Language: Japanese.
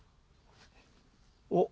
おっ。